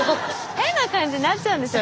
変な感じになっちゃうんですよ